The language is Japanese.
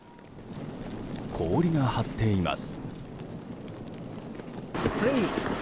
氷が張っています。